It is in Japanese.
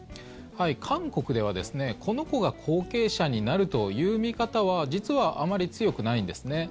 韓国では、この子が後継者になるという見方は実はあまり強くないんですね。